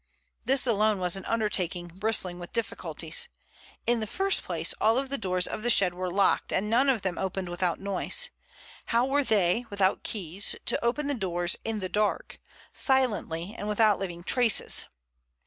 This alone was an undertaking bristling with difficulties. In the first place, all the doors of the shed were locked and none of them opened without noise. How were they without keys to open the doors in the dark, silently and without leaving traces?